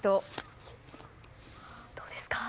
どうですか？